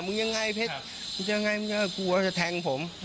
ยังไงเพชรมึงยังไงมึงก็กลัวจะแทงผม